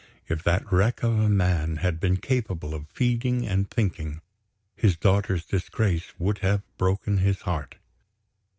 If that wreck of a man had been capable of feeling and thinking, his daughter's disgrace would have broken his heart.